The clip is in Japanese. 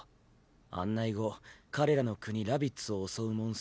案内後彼らの国ラビッツを襲うモンスター